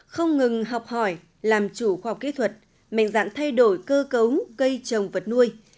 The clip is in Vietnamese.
không ngừng học hỏi làm chủ khoa học kỹ thuật mạnh dạn thay đổi cơ cấu cây trồng vật nuôi